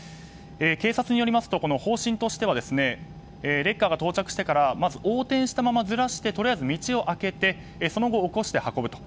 警察によりますと、方針としてはレッカーが到着してからまず横転したままずらして、とりあえず道を開けてその後、起こして運ぶと。